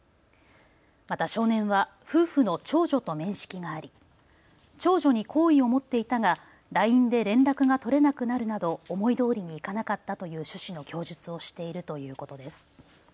また少年は夫婦の長女と面識があり長女に好意を持っていたがＬＩＮＥで連絡が取れなくなるなど思いどおりにいかなかったという趣旨の供述をしているということです。